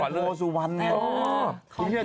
เธอโตสุวันเนี่ย